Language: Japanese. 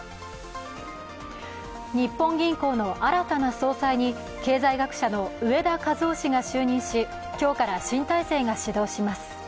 日本銀行の新たな総裁に経済学者の植田和男氏が就任し、今日から新体制が始動します。